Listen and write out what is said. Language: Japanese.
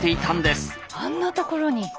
あんなところに！